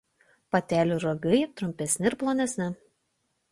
Patelių ragai trumpesni ir plonesni.